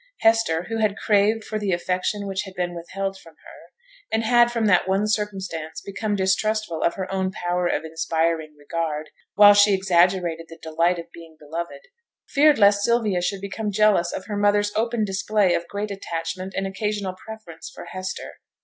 Hester, who had craved for the affection which had been withheld from her, and had from that one circumstance become distrustful of her own power of inspiring regard, while she exaggerated the delight of being beloved, feared lest Sylvia should become jealous of her mother's open display of great attachment and occasional preference for Hester.